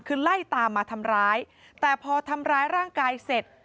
คือไล่ตามมาทำร้ายแต่พอทำร้ายร่างกายเสร็จ